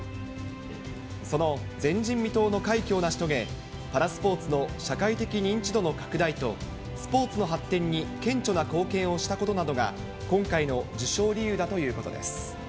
その前人未到の快挙を成し遂げ、パラスポーツの社会的認知度の拡大と、スポーツの発展に顕著な貢献をしたことなどが、今回の受賞理由だということです。